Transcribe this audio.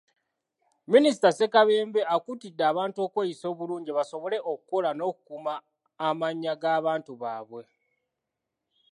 Minisita Ssekabembe akuutidde abantu okweyisa obulungi basobole okukola n'okukuuma amannya g'abantu baabwe.